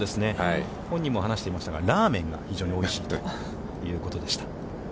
本人も話していましたが、ラーメンが非常においしいということでした。